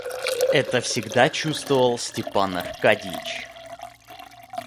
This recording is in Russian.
Это всегда чувствовал Степан Аркадьич.